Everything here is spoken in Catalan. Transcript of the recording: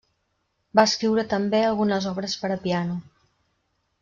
Va escriure també algunes obres per a piano.